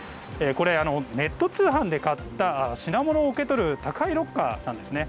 これネット通販で買った品物を受け取る宅配ロッカーなんですね。